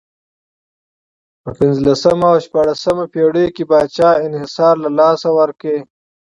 په پنځلسمې او شپاړسمې پېړیو کې پاچا انحصار له لاسه ورکړ.